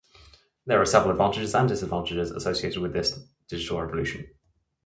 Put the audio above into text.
There are several advantages and disadvantages associated with this digital revolution.